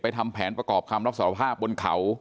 ทำแผนประกอบคำรับสารภาพบนเขา